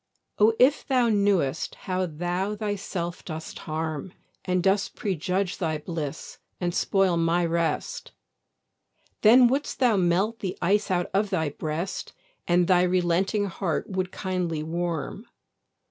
O if thou knew'st how thou thyself dost harm, And dost prejudge thy bliss, and spoil my rest; Then would'st thou melt the ice out of thy breast, And thy relenting heart would kindly warm.